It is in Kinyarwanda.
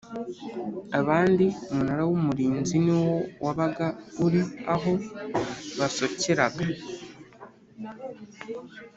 abandi Umunara w’Umurinzi niwo wabaga uri aho basokeraga